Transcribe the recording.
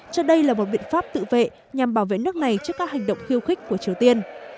cho đây là một biện pháp tự vệ nhằm bảo vệ nước này trước các hành động khiêu khích của triều tiên